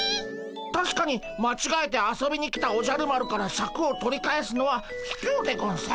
たしかにまちがえて遊びに来たおじゃる丸からシャクを取り返すのはひきょうでゴンス。